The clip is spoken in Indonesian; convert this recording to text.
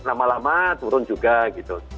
lama lama turun juga gitu